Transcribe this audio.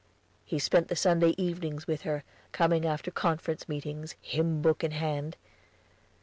He spent the Sunday evenings with her, coming after conference meeting, hymn book in hand.